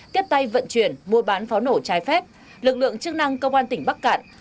tiếp tay vận chuyển mua bán pháo nổ trái phép lực lượng chức năng công an tỉnh bắc cạn